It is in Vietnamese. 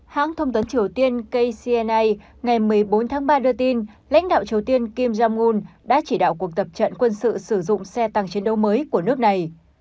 hãng thông tấn triều tiên kcna ngày một mươi bốn tháng ba đưa tin lãnh đạo triều tiên kim jong un đã chỉ đạo cuộc tập trận quân sự sử dụng xe tăng chiến đấu mới của nước này